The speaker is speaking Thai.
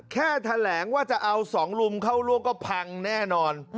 แค่แถลงว่าจะเอาสองลุมเข้าร่วมก็พังแน่นอน